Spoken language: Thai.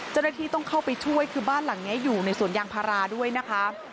เจ้าหน้าที่ต้องเข้าไปช่วยคือบ้านหลังนี้อยู่ในสวนยางพาราด้วยนะคะ